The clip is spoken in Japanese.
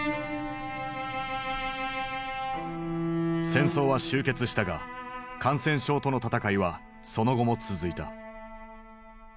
戦争は終結したが感染症との闘いはその後も続いた。